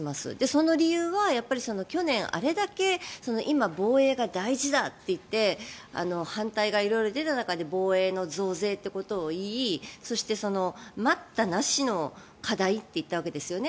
その理由は去年あれだけ今、防衛が大事だと言って反対が色々出た中で防衛増税ということを言いそして、待ったなしの課題と言ったわけですよね。